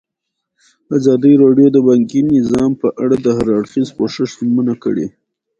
ازادي راډیو د بانکي نظام په اړه د هر اړخیز پوښښ ژمنه کړې.